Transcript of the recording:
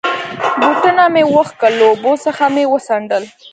بوټونه مې و کښل، له اوبو څخه مې و څنډل.